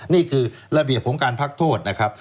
นี่คือระเบียบของการพักโทษนะครับ